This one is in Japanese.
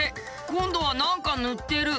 今度は何か塗ってる。